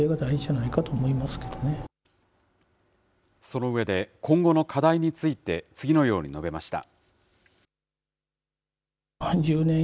その上で、今後の課題について、次のように述べました。